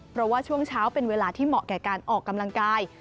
เพราะว่าช่วงเช้าเป็นเวลาที่เหมาะแก่การออกกำลังกาย